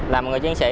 là một người chiến sĩ